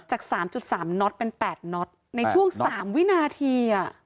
จากสามจุดสามน็อตเป็นแปดน็อตในช่วงสามวินาทีอ่ะ